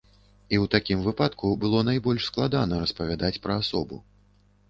І ў такім выпадку было найбольш складана распавядаць пра асобу.